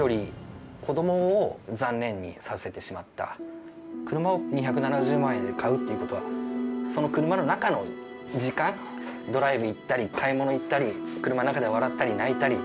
何より車を２７０万円で買うっていうことはその車の中の時間ドライブ行ったり買い物行ったり車の中で笑ったり泣いたり。